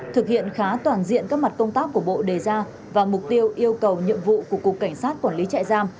thực hiện khá toàn diện các mặt công tác của bộ đề ra và mục tiêu yêu cầu nhiệm vụ của cục cảnh sát quản lý trại giam